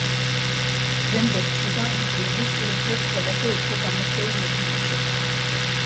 დღემდე რჩება ამ კლუბის ერთ-ერთ ყველაზე უფრო გამორჩეულ მოთამაშედ.